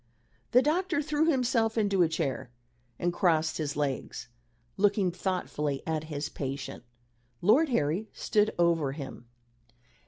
The doctor threw himself into a chair and crossed his legs, looking thoughtfully at his patient. Lord Harry stood over him.